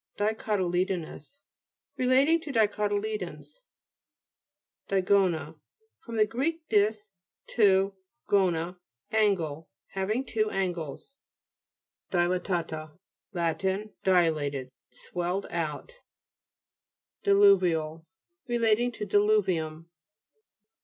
DICOTTLE'BONOUS Relating to dico tyledons, DIGO'NA fr. gr. dis, two, gone, angle. Having two angles, DTLATA'TA Lat. Dilated, swelled out. DILU'VIAL Relating to dilu'vium.